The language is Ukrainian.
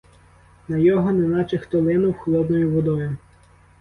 На його неначе хто линув холодною водою.